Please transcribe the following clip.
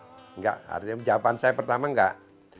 tidak artinya jawaban saya pertama enggak